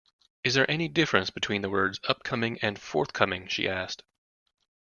Is there any difference between the words Upcoming and forthcoming? she asked